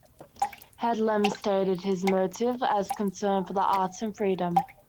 Headlam stated his motive as "concern for the arts and freedom".